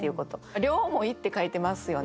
「両思い」って書いてますよね。